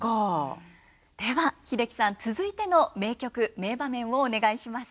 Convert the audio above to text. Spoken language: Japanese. では英樹さん続いての名曲名場面をお願いします。